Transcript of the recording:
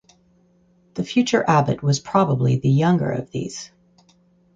The future abbot was probably the younger of these.